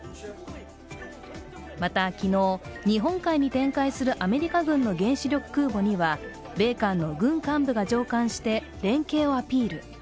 また、昨日、日本海に展開するアメリカ軍の原子力空母には米韓の軍幹部が乗艦して連携をアピール。